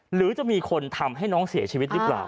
หรือจะมีคนทำให้น้องเสียชีวิตหรือเปล่า